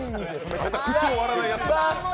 口を割らないやつ。